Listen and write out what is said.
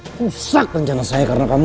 rusak rencana saya karena kamu